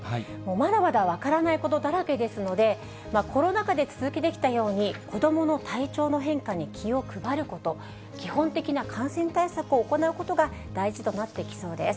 まだまだ分からないことだらけですので、コロナ禍で続けてきたように、子どもの体調の変化に気を配ること、基本的な感染対策を行うことが大事となってきそうです。